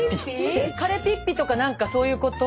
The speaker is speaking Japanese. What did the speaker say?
彼ピッピとか何かそういうこと？